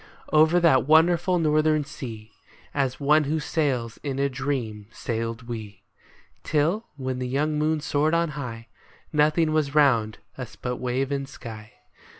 Over that wonderful northern sea. As one who sails in a dream, sailed we, Till, when the young moon soared on high, Nothing was round us but wave and sky.